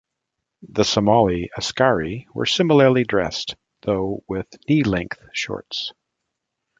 The Somali ascari were similarly dressed, though with knee length shorts.